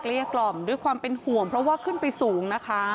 เรียกกล่อมด้วยความเป็นห่วงเพราะว่าขึ้นไปสูงนะคะ